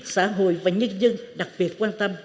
xã hội và nhân dân đặc biệt quan tâm